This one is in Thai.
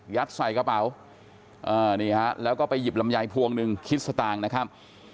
ใส่กระเป๋านี่ฮะแล้วก็ไปหยิบลำไยพวงหนึ่งคิดสตางค์นะครับ